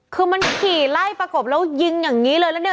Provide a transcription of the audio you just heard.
คือมันขี่ไล่ประกบแล้วยิงอย่างนี้เลยแล้วเนี่ย